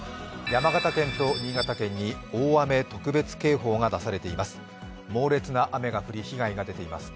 山形県と新潟県に大雨特別警報が出されています。